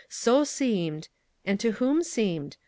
'So seemed,' and to whom seemed?